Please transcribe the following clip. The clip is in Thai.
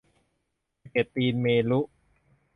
สะเก็ดตีนเมรุ